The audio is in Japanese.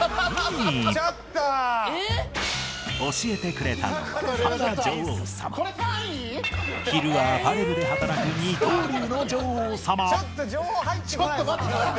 教えてくれたのは昼はアパレルで働く二刀流の女王様